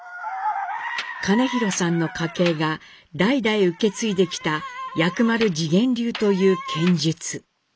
兼弘さんの家系が代々受け継いできた薬丸自顕流という剣術。